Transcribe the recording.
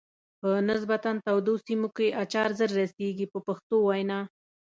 په نسبتا تودو سیمو کې اچار زر رسیږي په پښتو وینا.